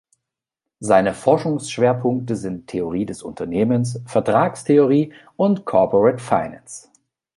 Seine Forschungsschwerpunkte sind Theorie des Unternehmens, Vertragstheorie und Corporate Finance.